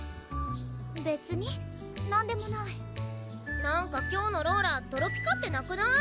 別になんでもないなんか今日のローラトロピカってなくない？